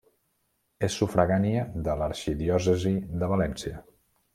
És sufragània de l'arxidiòcesi de València.